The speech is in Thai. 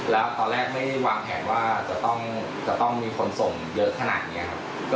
แล้วตอนแรกไม่ได้วางแผนว่าจะต้องมีคนส่งเยอะขนาดนี้ครับ